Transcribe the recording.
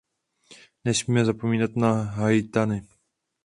Nesmíme zapomínat na Haiťany.